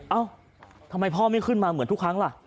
เอ้าทำไมพ่อไม่ขึ้นมาเหมือนทุกครั้งล่ะ